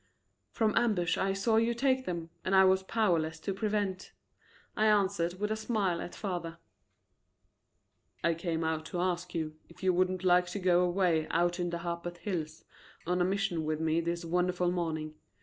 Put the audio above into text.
"From ambush I saw you take them, and I was powerless to prevent," I answered with a smile at father. "I came over to ask you if you wouldn't like to go away out into the Harpeth Hills on a mission with me this wonderful morning.